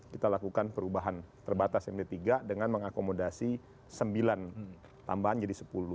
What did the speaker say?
kita lakukan perubahan terbatas md tiga dengan mengakomodasi sembilan tambahan jadi sepuluh